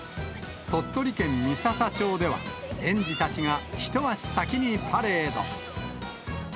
鳥取県三朝町では、園児たちが一足先にパレード。